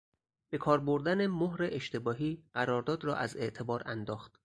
به کار بردن مهر اشتباهی قرارداد را از اعتبار انداخت.